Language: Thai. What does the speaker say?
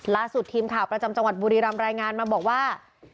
ทีมข่าวประจำจังหวัดบุรีรำรายงานมาบอกว่า